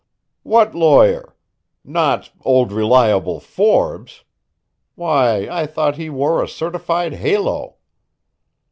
"What lawyer? Not 'Old Reliable' Forbes? Why, I thought he wore a certified halo."